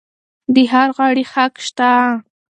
د هر غړي حق شته.